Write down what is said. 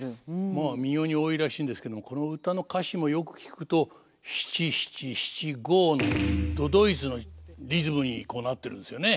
まあ民謡に多いんらしいんですけどもこの唄の歌詞もよく聴くと七・七・七・五の都々逸のリズムになってるんですよね。